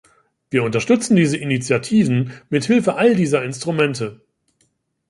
Wir unterstützen diese Initiativen mithilfe all dieser Instrumente.